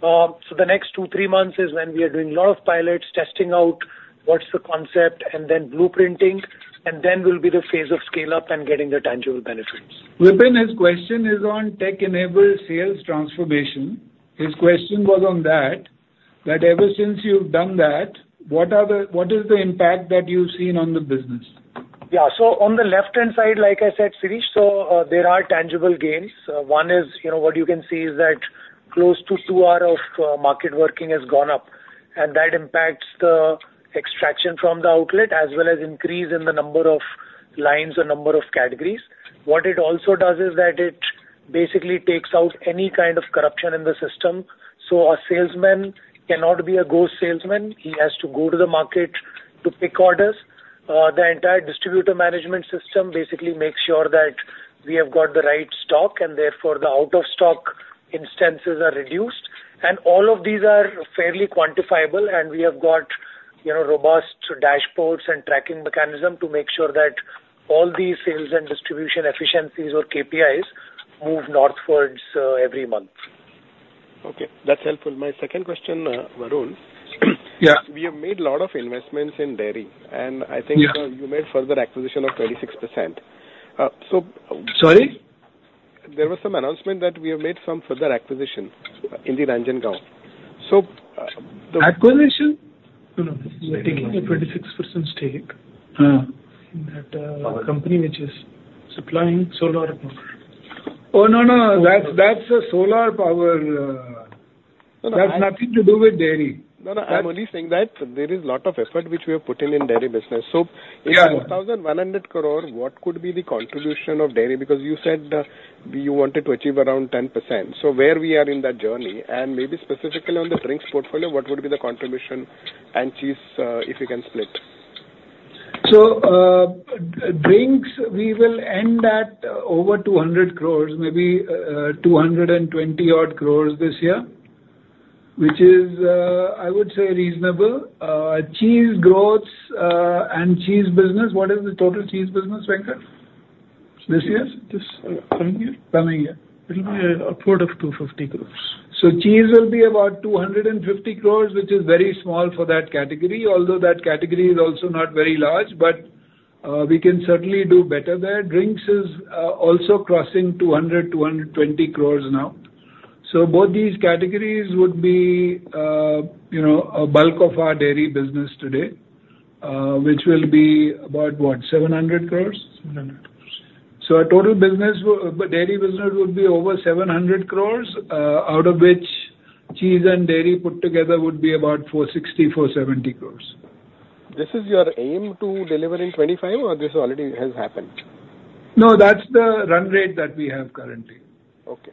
So the next two, three months is when we are doing a lot of pilots, testing out what's the concept, and then blueprinting, and then will be the phase of scale-up and getting the tangible benefits. Vipin, his question is on tech-enabled sales transformation. His question was on that, that ever since you've done that, what are the-- what is the impact that you've seen on the business? Yeah. So on the left-hand side, like I said, Shirish, so, there are tangible gains. One is, you know, what you can see is that close to two hours of market working has gone up, and that impacts the extraction from the outlet, as well as increase in the numbers of lines or number of categories. What it also does is that it basically takes out any kind of corruption in the system. So a salesman cannot be a ghost salesman. He has to go to the market to pick orders. The entire distributor management system basically makes sure that we have got the right stock, and therefore, the out-of-stock instances are reduced. All of these are fairly quantifiable, and we have got, you know, robust dashboards and tracking mechanism to make sure that all these sales and distribution efficiencies or KPIs move northwards, every month. Okay, that's helpful. My second question, Varun. Yeah. We have made a lot of investments in dairy, and I think- Yeah. - you made further acquisition of 36%. So- Sorry? There was some announcement that we have made some further acquisition in the Ranjangaon. So, Acquisition? No, no. We're taking a 26% stake- Uh. in that company which is supplying solar power. Oh, no, no. That's, that's a solar power. No, no, I- That's nothing to do with dairy. No, no, I'm only saying that there is a lot of effort which we have put in, in dairy business. So- Yeah. In 4,100 crore, what could be the contribution of dairy? Because you said, you wanted to achieve around 10%. So where we are in that journey, and maybe specifically on the drinks portfolio, what would be the contribution, and cheese, if you can split? So, drinks, we will end at over 200 crores, maybe 220-odd crores this year, which is, I would say reasonable. Cheese growth, and cheese business, what is the total cheese business, Venkat, this year? This, coming year. Coming year. It will be upward of 250 crores. So cheese will be about 250 crores, which is very small for that category, although that category is also not very large, but, we can certainly do better there. Drinks is, also crossing 220 crores now. So both these categories would be, you know, a bulk of our dairy business today, which will be about what? 700 crores? 700 crores. Our total business, dairy business would be over 700 crores, out of which cheese and dairy put together would be about 460 crores, 470 crores. This is your aim to deliver in 2025, or this already has happened? No, that's the run rate that we have currently. Okay. Okay.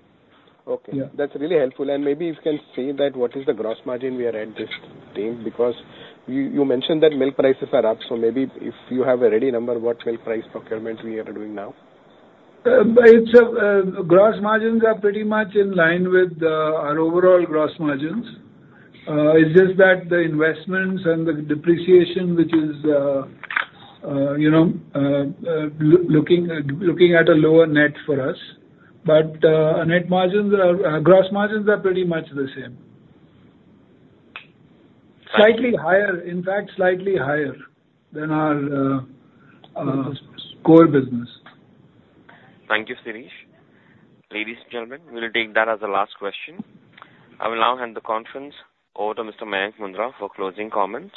Yeah. That's really helpful. Maybe you can say that what is the gross margin we are at this time? Because you, you mentioned that milk prices are up, so maybe if you have a ready number, what milk price procurement we are doing now? Gross margins are pretty much in line with our overall gross margins. It's just that the investments and the depreciation, which is, you know, looking at a lower net for us. But net margins are, gross margins are pretty much the same. Slightly higher, in fact, slightly higher than our core business. Thank you, Shirish. Ladies and gentlemen, we'll take that as the last question. I will now hand the conference over to Mr. Mayank Mundra for closing comments.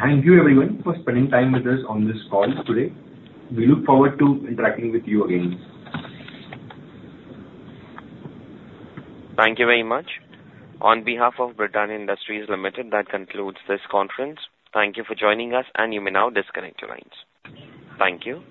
Thank you everyone for spending time with us on this call today. We look forward to interacting with you again. Thank you very much. On behalf of Britannia Industries Limited, that concludes this conference. Thank you for joining us, and you may now disconnect your lines. Thank you.